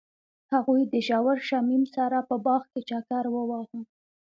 هغوی د ژور شمیم سره په باغ کې چکر وواهه.